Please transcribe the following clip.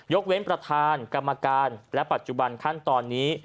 เว้นประธานกรรมการและปัจจุบันขั้นตอนนี้